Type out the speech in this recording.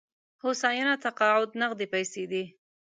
هوساینه تقاعد نغدې پيسې دي.